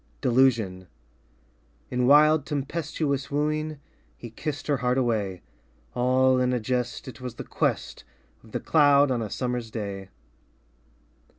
Delusion In wild tempestuous wooing He kissed her heart away All in a jest It was the quest Of the cloud on a summer's day.